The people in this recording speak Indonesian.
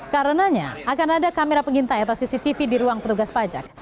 karena akan ada kamera pengintai atau cctv di ruang petugas pajak